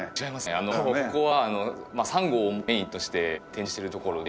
あのここはサンゴをメインとして展示しているところで。